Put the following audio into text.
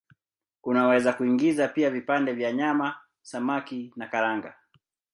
Unaweza kuingiza pia vipande vya nyama, samaki na karanga.